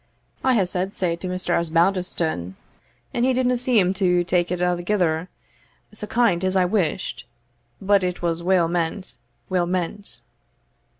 I hae said sae to Mr. Osbaldistone, and he didna seem to take it a'thegither sae kind as I wished but it was weel meant weel meant."